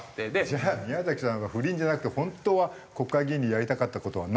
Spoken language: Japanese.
じゃあ宮崎さんは不倫じゃなくて本当は国会議員でやりたかった事はなんなの？